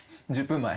１０分前。